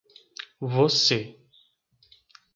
Você